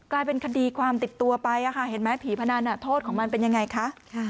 กลายเป็นคดีความติดตัวไปเห็นไหมผีพนันโทษของมันเป็นยังไงคะ